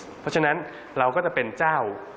เพราะฉะนั้นเราก็จะเป็นเจ้า